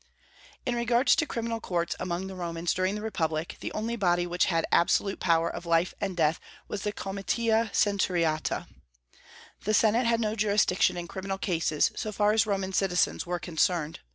In regard to criminal courts among the Romans during the republic, the only body which had absolute power of life and death was the comitia centuriata. The senate had no jurisdiction in criminal cases, so far as Roman citizens were concerned.